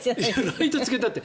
ライトつけたって。